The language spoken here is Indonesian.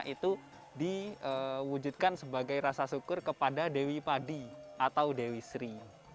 itu diwujudkan sebagai rasa syukur kepada dewi padi atau dewi sri